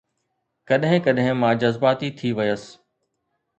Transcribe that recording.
ڪڏهن ڪڏهن مان جذباتي ٿي ويس